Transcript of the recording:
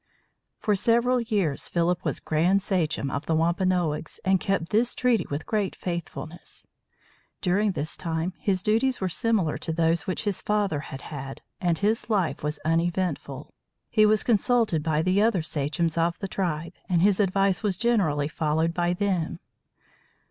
For several years Philip was grand sachem of the Wampanoags and kept this treaty with great faithfulness. During this time his duties were similar to those which his father had had, and his life was uneventful. He was consulted by the other sachems of the tribe, and his advice was generally followed by them.